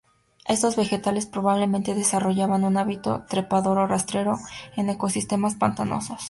Estos vegetales probablemente desarrollaban un hábito trepador o rastrero en ecosistemas pantanosos.